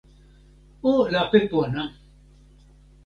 o lape pona!